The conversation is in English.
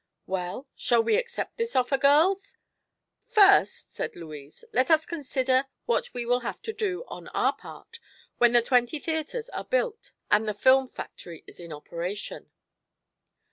"Well, shall we accept this offer, girls?" "First," said Louise, "let us consider what we will have to do, on our part, when the twenty theatres are built and the film factory is in operation."